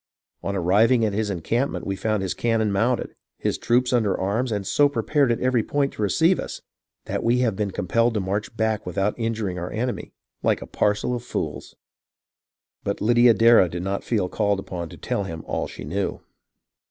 On arriving at his encampment we found his cannon mounted, his troops under arms and so prepared at every point to receive us that we have been compelled to march back without injuring our enemy, like a parcel of fools." But Lydia Darrah did not feel called upon to tell him all she knew.